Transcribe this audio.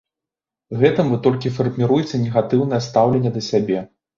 Гэтым вы толькі фарміруеце негатыўнае стаўленне да сябе.